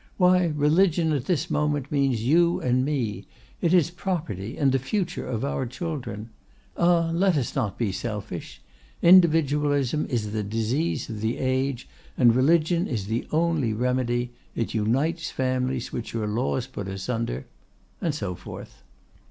Why, religion at this moment means you and me; it is property, and the future of our children! Ah! let us not be selfish! Individualism is the disease of the age, and religion is the only remedy; it unites families which your laws put asunder,' and so forth.